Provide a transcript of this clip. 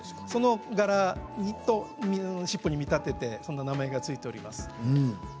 その柄を尻尾に見立ててそんな名前が付いております。